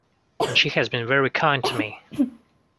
And she has been very kind to me.